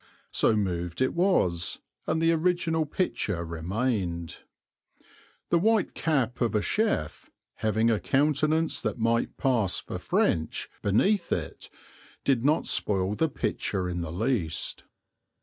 So moved it was and the original picture remained. The white cap of a chef, having a countenance that might pass for French beneath it, did not spoil the picture in the least.